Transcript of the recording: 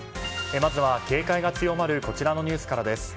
まずは、警戒が強まるこちらのニュースからです。